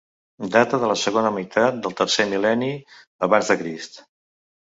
Data de la segona meitat del tercer mil·lenni abans de Crist.